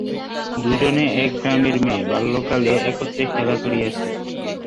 দুইজনেই এক গ্রামের মেয়ে, বাল্যকালে একত্রে খেলা করিয়াছেন।